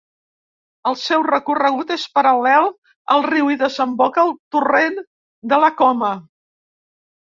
El seu recorregut és paral·lel al riu i desemboca al torrent de la Coma.